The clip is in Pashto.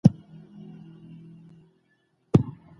د ادب چوکاټ يې ساته.